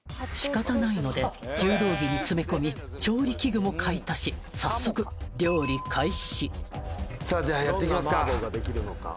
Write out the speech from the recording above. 仕方ないので柔道着に詰め込み調理器具も買い足し早速料理開始さぁではやって行きますか。